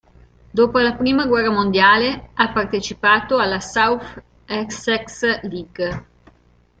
Dopo la prima guerra mondiale, ha partecipato alla South Essex League.